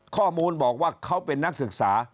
ข้อมูลบอกว่าเขาเป็นนักศึกษา